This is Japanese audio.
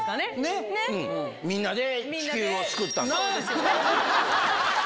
みんなで地球を救ったの。